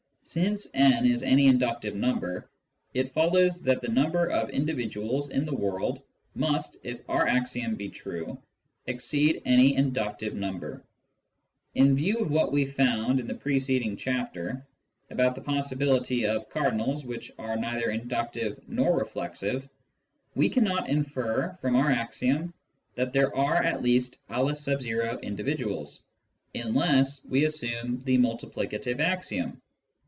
Since n is any inductive number, it follows that the number of individuals in the world must (if our axiom be true) exceed any inductive number. In view of what we found in the preceding chapter, about the possibility of cardinals which are neither inductive nor reflexive, we cannot infer from our axiom that there are at least N individuals, unless we assume the multiplicative axiom.